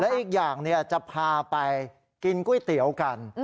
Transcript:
อีกอย่างจะพาไปกินก๋วยเตี๋ยวกัน